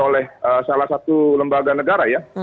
oleh salah satu lembaga negara ya